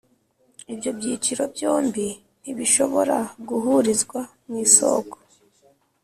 Ibyo byiciro byombi ntibishobora guhurizwa mu isoko